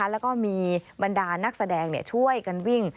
แล้วก็มีบรรดานักแสดงช่วยกันวิ่ง